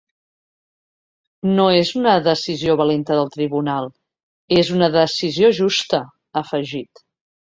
No és una decisió valenta del tribunal, és una decisió justa, ha afegit.